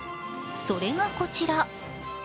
それがこちら。